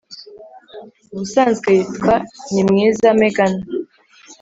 ubusanzwe yitwa nimwiza meghan,